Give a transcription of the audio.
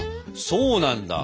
そうなんだ。